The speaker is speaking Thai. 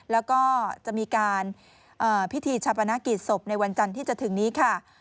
แล้วก็จะมีการพิธีชาปนกิจศพในวันจันทร์ที่จะถึงนี้ค่ะ